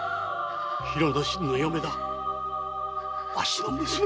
広之進の嫁だわしの娘だ！